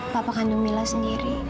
papa kandung mila sendiri